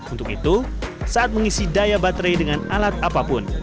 untuk itu saat mengisi daya baterai dengan alat apapun